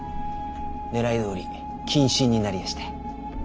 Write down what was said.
狙いどおり謹慎になりやした。